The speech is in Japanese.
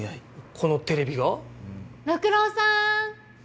このテレビが？六郎さん！